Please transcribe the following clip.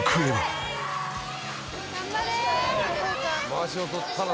まわしを取ったら。